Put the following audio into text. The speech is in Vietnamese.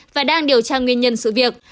và đang điều tra nguyên nhân sự việc